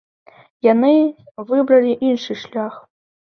Яны выбралі іншы шлях.